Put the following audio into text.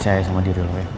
percaya sama diri lo ya